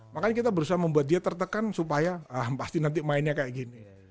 makanya kita berusaha membuat dia tertekan supaya pasti nanti mainnya kayak gini